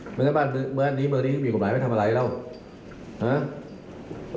เมืองในบ้านเมืองอันนี้เมืองอันนี้มีกฎหมายไม่ทำอะไรแล้วฮะ